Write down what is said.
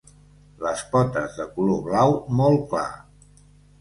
Les potes de color blau molt clar.